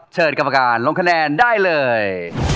เชิญกรรมการลงคะแนนได้เลย